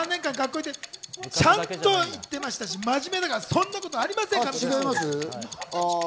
ちゃんと行ってましたし、真面目だからそんなことありません！